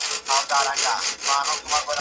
بس چې وایې غوندې